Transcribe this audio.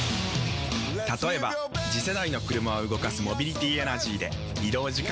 例えば次世代の車を動かすモビリティエナジーでまジカ⁉人間！